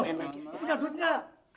udah duit gak